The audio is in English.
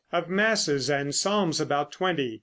Of masses and psalms about twenty.